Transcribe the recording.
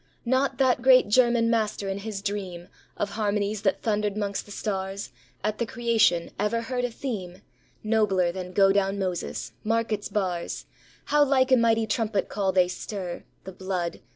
Not that great German master in his dream Of harmonies that thundered amongst the stars At the creation, ever heard a theme Nobler than "Go Down, Moses." Mark its bars, How like a mighty trumpet call they stir The blood.